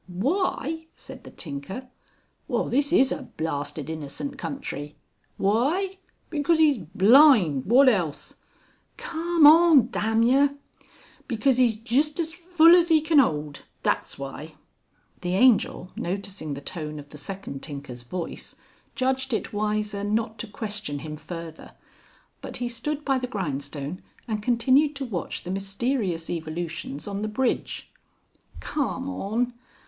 "Why!" said the tinker. "Well this is a blasted innocent country! Why! Because 'E's blind! Wot else? (Carm on Dam yer). Because 'E's just as full as 'E can 'old. That's why!" The Angel noticing the tone of the second tinker's voice, judged it wiser not to question him further. But he stood by the grindstone and continued to watch the mysterious evolutions on the bridge. "Carm on!